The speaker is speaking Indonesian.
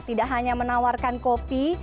tidak hanya menawarkan kopi